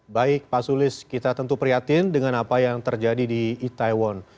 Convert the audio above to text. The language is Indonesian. baik pak sulis kita tentu prihatin dengan apa yang terjadi di itaewon